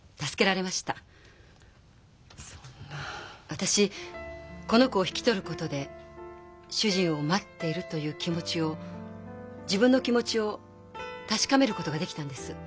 私この子を引き取ることで主人を待っているという気持ちを自分の気持ちを確かめることができたんです。